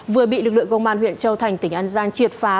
vừa bị lực lượng công an huyện châu thành tỉnh an giang triệt phá